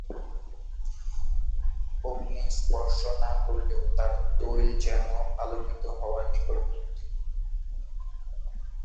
অগ্নি স্পর্শ না করলেও তার তৈল যেন আলোকিত হওয়ার নিকটবর্তী।